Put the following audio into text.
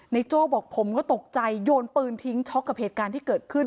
โจ้บอกผมก็ตกใจโยนปืนทิ้งช็อกกับเหตุการณ์ที่เกิดขึ้น